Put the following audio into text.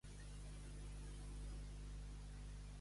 La reacció britànica, què ha provocat al país insular?